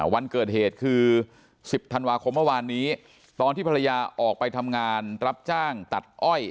วันเกิดเหตุคือ๑๐ธันวาคมเมื่อวานนี้ตอนที่ภรรยาออกไปทำงานรับจ้างตัดอ้อย